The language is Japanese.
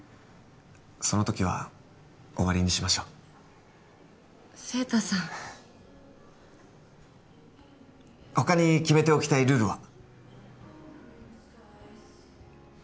その時は終わりにしましょう晴太さん他に決めておきたいルールは？